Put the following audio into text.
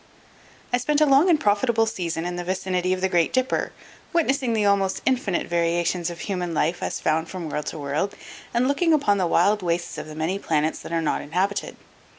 I spent a long and profitable season in the vicinity of the Great Dipper, witnessing the almost infinite variations of human life as found from world to world, and looking upon the wild wastes of the many planets that are not inhabited.